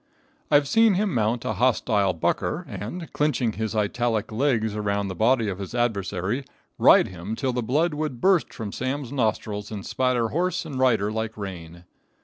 I've seen him mount a hostile "bucker," and, clinching his italic legs around the body of his adversary, ride him till the blood would burst from Sam's nostrils and spatter horse and rider like rain.